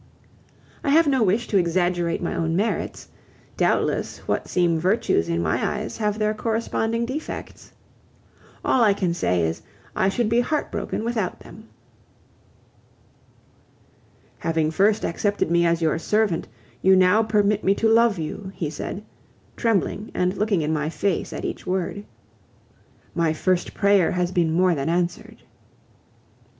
I have no wish to exaggerate my own merits; doubtless what seem virtues in my eyes have their corresponding defects. All I can say is, I should be heartbroken without them." "Having first accepted me as your servant, you now permit me to love you," he said, trembling and looking in my face at each word. "My first prayer has been more than answered."